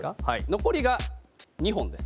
残りが２本です。